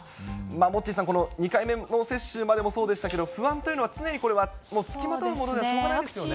モッチーさん、この２回目の接種までもそうでしたけど、不安というのは常にこれは、もう付きまとうものでしょうがないですよね。